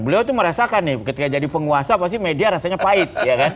beliau itu merasakan nih ketika jadi penguasa pasti media rasanya pahit